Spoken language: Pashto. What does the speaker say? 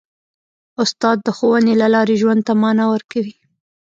استاد د ښوونې له لارې ژوند ته مانا ورکوي.